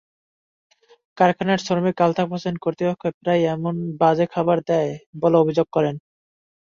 কারখানার শ্রমিক আলতাফ হোসেন কর্তৃপক্ষ প্রায়ই এমন বাজে খাবার দেয় বলে অভিযোগ করেন।